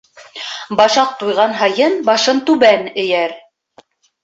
Башаҡ туйған һайын башын түбән эйер.